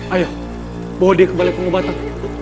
ayo bawa dia ke balai pengobatan